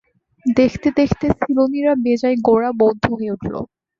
দেখতে দেখতে সিলোনিরা বেজায় গোঁড়া বৌদ্ধ হয়ে উঠল।